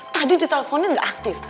tadi di teleponnya gak aktif